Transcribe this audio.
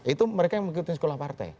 itu mereka yang mengikuti sekolah partai